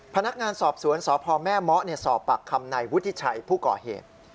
พนักงานสอบสวนสพแม่เมาะสอบปากคำนายวุฒิชัยผู้ก่อเหตุ